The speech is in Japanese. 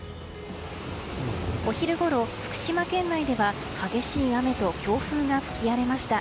お昼ごろ、福島県内では激しい雨と強風が吹き荒れました。